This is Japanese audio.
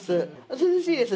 涼しいです。